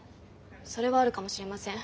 それはあるかもしれません。